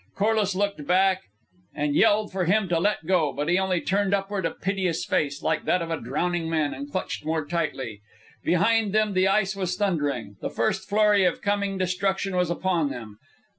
Corliss looked back and yelled for him to leave go, but he only turned upward a piteous face, like that of a drowning man, and clutched more tightly. Behind them the ice was thundering. The first flurry of coming destruction was upon them.